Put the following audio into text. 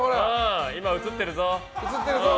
今映ってるぞ。